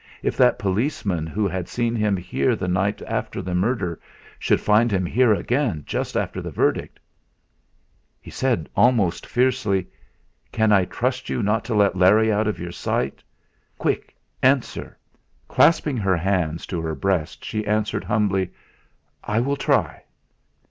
If that Policeman who had seen him here the night after the murder should find him here again just after the verdict! He said almost fiercely: "Can I trust you not to let Larry out of your sight? Quick! Answer!" Clasping her hands to her breast, she answered humbly: "I will try."